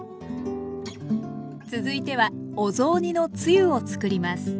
続いてはお雑煮のつゆをつくります。